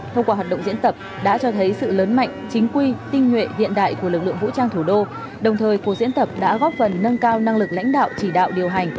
thông qua hoạt động diễn tập đã cho thấy sự lớn mạnh chính quy tinh nguyện hiện đại của lực lượng vũ trang thủ đô đồng thời cuộc diễn tập đã góp phần nâng cao năng lực lãnh đạo chỉ đạo điều hành